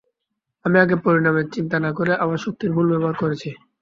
আমি আগে পরিনামের চিন্তা না করেই আমার শক্তির ভুল ব্যবহার করেছি।